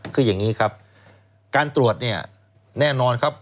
คืออย่างนี้ครับการตรวจเนี่ยแน่นอนครับ